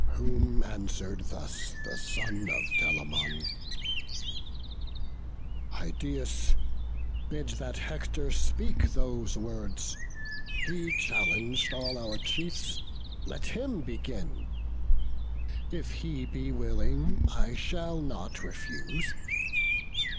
Whom answer'd thus the son of Telamon: "Idaeus, bid that Hector speak those words: He challeng'd all our chiefs; let him begin: If he be willing, I shall not refuse."